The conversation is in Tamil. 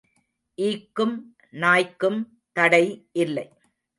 ஈக்கும் நாய்க்கும் தடை இல்லை.